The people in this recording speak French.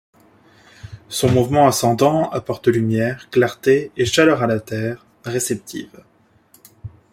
Son mouvement ascendant apporte lumière, clarté et chaleur à la Terre, réceptive.